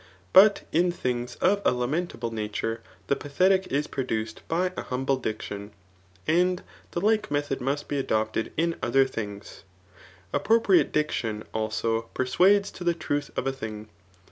But in things of a lamentable nature, the pathetic is produced by a humble diction* And the like method must be adopted in other things. Appropriate dicdon, also, persuades to the truth of a thing.